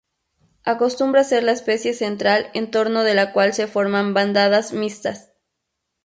Acostumbra ser la especie central en torno de la cual se forman bandadas mixtas.